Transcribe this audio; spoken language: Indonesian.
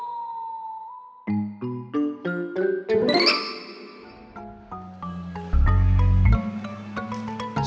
aku kasih mie